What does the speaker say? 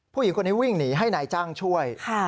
ผู้หญิงคนนี้วิ่งหนีให้นายจ้างช่วย